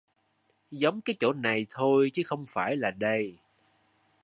Giống cái chỗ này thôi chứ không phải là đây